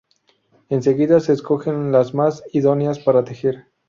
Enseguida se escogen las más idóneas para tejer.